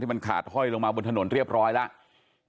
มันขาดห้อยลงมาบนถนนเรียบร้อยแล้ว